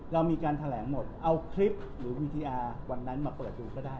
เรามีการแถลงหมดเอาคลิปหรือวิทยาวันนั้นมาเปิดดูก็ได้